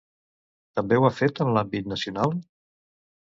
També ho ha fet en l'àmbit nacional?